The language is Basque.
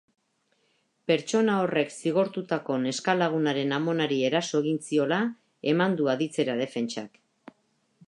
Pertsona horrek zigortutako neska lagunaren amonari eraso egin ziola eman du aditzera defentsak.